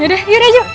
yaudah yaudah yuk